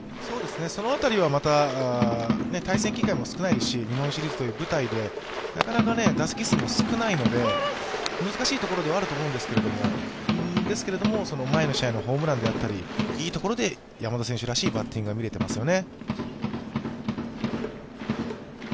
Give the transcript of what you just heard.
その辺りはまた対戦機会も少ないですし、日本シリーズという舞台でなかなか打席数も少ないので難しいところではあると思うんですけれども、前の試合のホームランであったり、いいところで山田選手らしいバッティングが見れていますよね。